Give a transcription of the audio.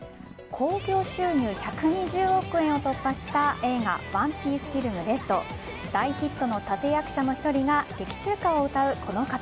興行収入１２０億円を突破した映画「ＯＮＥＰＩＥＣＥＦＩＬＭＲＥＤ」大ヒットの立役者の１人が劇中歌を歌うこの方。